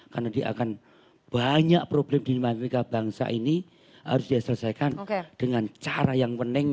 karena dia akan banyak problem di dalam amerika bangsa ini harus diselesaikan dengan cara yang pening